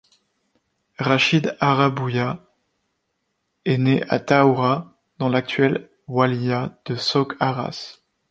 Rachid Haraoubia est né à Taoura dans l'actuelle wilaya de Souk Ahras.